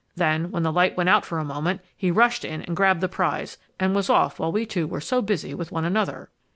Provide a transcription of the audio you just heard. Then, when the light went out for a moment, he rushed in and grabbed the prize and was off while we two were so busy with one another!